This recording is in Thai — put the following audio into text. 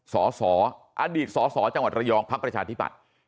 สออดีตสอจังหวัดระยองภักดิ์ประชาธิปัส